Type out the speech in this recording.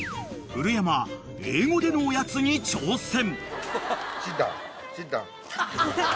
［古山英語でのおやつに挑戦］